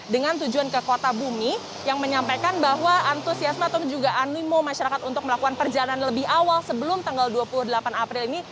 dengan tujuan ke kota bumi yang menyampaikan bahwa antusiasme atau juga animo masyarakat untuk melakukan perjalanan lebih awal sebelum tanggal dua puluh delapan april ini